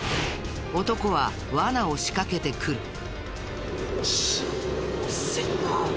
男は罠を仕掛けてくる。